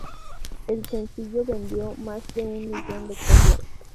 El sencillo vendió más de un millón de copias.